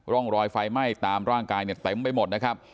ร่องรอยไฟไหม้ตามร่างกายเนี่ยเต็มไปหมดนะครับ